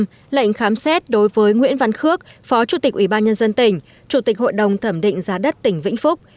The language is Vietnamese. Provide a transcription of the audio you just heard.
quyết định khám xét đối với nguyễn văn khước phó chủ tịch ủy ban nhân dân tỉnh chủ tịch hội đồng thẩm định giá đất tỉnh vĩnh phúc